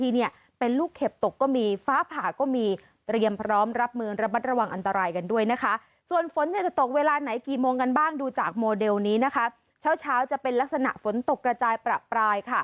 เดี๋ยวนี้เช้าจะเป็นลักษณะฝนตกกระจายประปราย